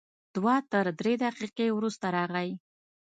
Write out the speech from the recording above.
دوه تر درې دقیقې وروسته راغی.